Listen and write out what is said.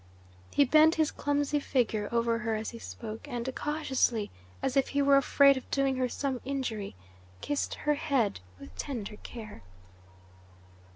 He bent his clumsy figure over her as he spoke, and cautiously, as if he were afraid of doing her some injury, kissed her head with tender care.